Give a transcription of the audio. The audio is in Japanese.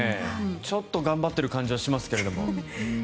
ちょっと頑張っている感じはしますけれども。